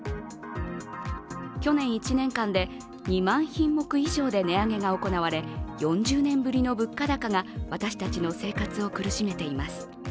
去年１年間で２万品目以上で値上げが行われ、４０年ぶりの物価高が私たちの生活を苦しめています。